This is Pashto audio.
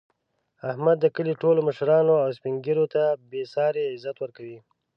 احمد د کلي ټولو مشرانو او سپین ږېرو ته بې ساري عزت ورکوي.